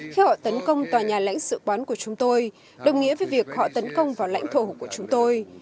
khi họ tấn công tòa nhà lãnh sự quán của chúng tôi đồng nghĩa với việc họ tấn công vào lãnh thổ của chúng tôi